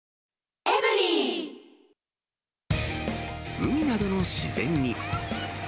海などの自然に。